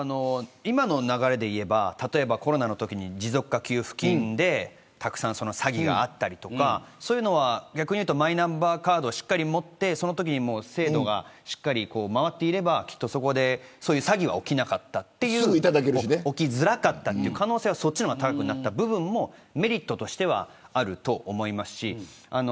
今の流れで言うとコロナのときに持続化給付金でたくさん詐欺があったりそういうのはマイナンバーカードをしっかりと持ってそのときに制度が回っていればそういう詐欺は起きづらかったという可能性はそっちの方が高くなった部分もメリットとしてはあると思います。